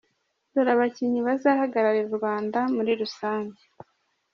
Dore abakinnyi bazahagararira u Rwanda muri rusange:.